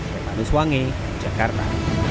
pemanus wangi jakarta